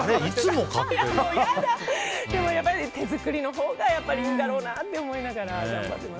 でも手作りのほうがいいだろうなって思いながら頑張ってます。